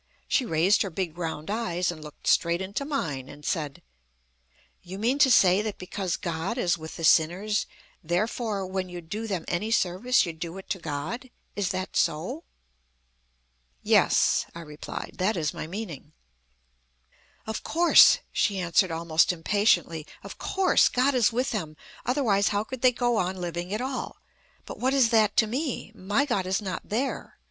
She raised her big round eyes, and looked straight into mine, and said: "You mean to say that because God is with the sinners, therefore when you do them any service you do it to God? Is that so?" "Yes," I replied, "that is my meaning." "Of course," she answered almost impatiently, "of course, God is with them: otherwise, how could they go on living at all? But what is that to me? My God is not there.